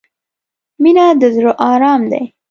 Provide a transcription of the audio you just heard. • مینه د زړۀ ارام دی.